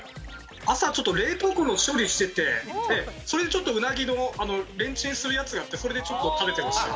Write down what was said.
朝ちょっと冷凍庫の処理しててそれでちょっとうなぎのレンチンするやつがあってそれでちょっと食べちゃいました。